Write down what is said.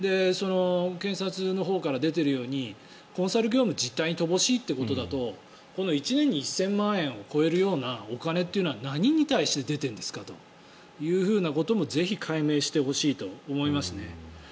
検察のほうから出ているようにコンサル業務実態に乏しいということだとこの１年に１０００万円を超えるようなお金というのは何に対して出ているんですかというふうなこともぜひ、解明してほしいと思いますね。